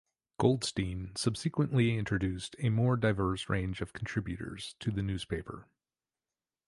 Goldstein subsequently introduced a more diverse range of contributors to the newspaper.